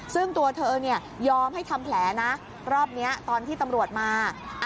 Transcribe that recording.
ซึ่งตัวเธอยอมให้ทำแผลนะรอบนี้ตอนที่ตำรวจมา